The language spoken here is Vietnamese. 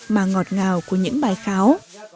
mà ngọt ngào của những bài kháo